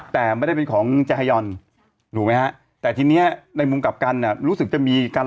แต่ไม่ได้เป็นของแฮยอนถูกไหมฮะแต่ทีนี้ในมุมกลับกันรู้สึกจะมีการ